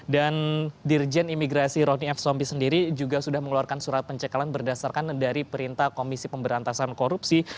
dan dirjen imigrasi roni f sompi sendiri juga sudah mengeluarkan surat pencegahan berdasarkan dari perintah komisi pemberantasan korupsi